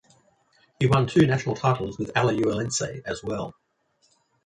He won two national titles with Alajuelense as well.